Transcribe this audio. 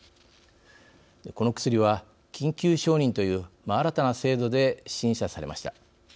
この薬は緊急承認という新たな制度で審査されました。